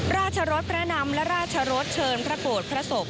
รสพระนำและราชรสเชิญพระโกรธพระศพ